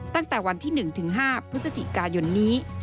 ตั้งแต่วันที่๑ถึง๕พฤศจิกายนนี้